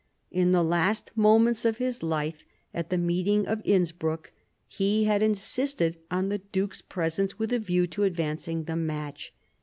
In the last moments of his life, at the meeting of Innsbruck, he had insisted on the Duke's presence with a view to advancing the match.